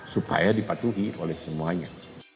supaya dipatuhi oleh semuanya